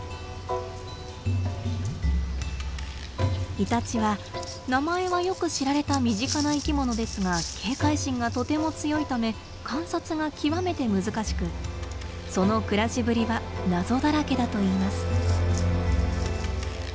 イタチは名前はよく知られた身近な生きものですが警戒心がとても強いため観察が極めて難しくその暮らしぶりは謎だらけだといいます。